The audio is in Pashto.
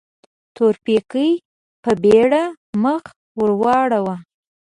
تورپيکۍ په بيړه مخ ور واړاوه.